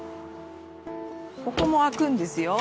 ここも開くんですよ。